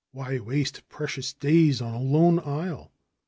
Why waste precious days on a lone isle?